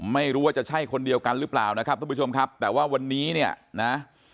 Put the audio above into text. ไม่รู้ว่าจะใช่คนเดียวกันหรือเปล่านะครับทุกผู้ชมครับแต่ว่าวันนี้เนี่ยนะ